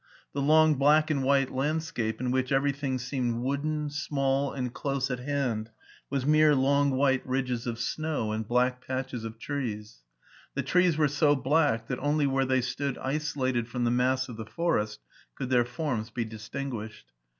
The long black and white landscape, in which everything seemed wooden, small, and close at hand, was mere long white ridges of snow and blade patches of trees. The trees were so black that only where they stood isolated from the mass of the forest could their forms be distinguished.